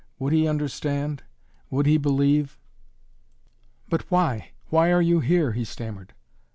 Would he understand? Would he believe? "But why why are you here?" he stammered.